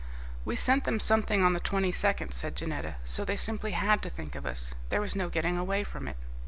"We sent them something on the twenty second," said Janetta, "so they simply had to think of us. There was no getting away from it."